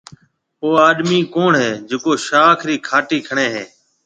او آڏمِي ڪوُڻ هيَ جڪو شاخ رِي کهاٽِي کڻيَ هيَ۔